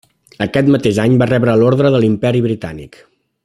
Aquest mateix any va rebre l’orde de l’Imperi Britànic.